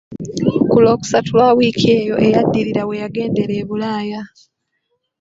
Ku Lwokusatu lwa wiiki eyo eyaddirira we yagendera e bulaaya.